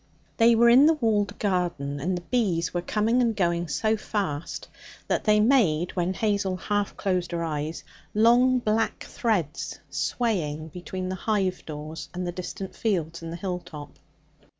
They were in the walled garden, and the bees were coming and going so fast that they made, when Hazel half closed her eyes, long black threads swaying between the hive doors and the distant fields and the hill top.